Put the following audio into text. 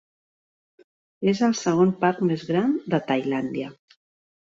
És el segon parc més gran de Tailàndia.